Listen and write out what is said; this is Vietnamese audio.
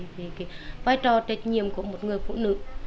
thì cái vai trò trách nhiệm của một người phụ nữ